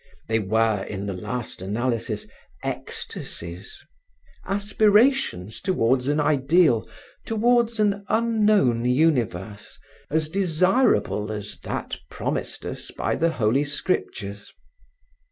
They were, in the last analysis, ecstacies, aspirations towards an ideal, towards an unknown universe as desirable as that promised us by the Holy Scriptures.